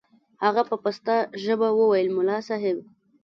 هغه په پسته ژبه وويل ملا صاحب.